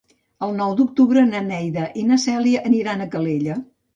El nou d'octubre na Neida i na Cèlia aniran a Calella.